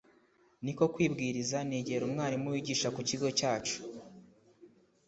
Niko kwibwiriza negera umwarimu wigisha ku kigo cyacu